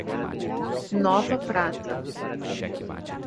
Nova Prata